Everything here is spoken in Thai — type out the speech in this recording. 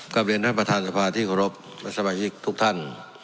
กับเรียนท่านประธานสภาที่ขอรับและสวัสดีทุกท่าน